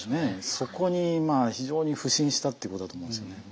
そこにまあ非常に腐心したっていうことだと思うんですよね。